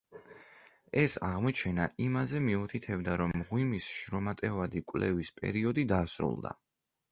ეს აღმოჩენა იმაზე მიუთითებდა, რომ მღვიმის შრომატევადი კვლევის პერიოდი დასრულდა.